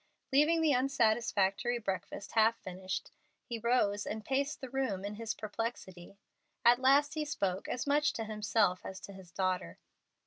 Leaving the unsatisfactory breakfast half finished, he rose and paced the room in his perplexity. At last he spoke, as much to himself as to his daughter.